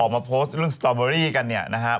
พอโพสต์เรื่องสตรอเบอร์รี่กันนะครับ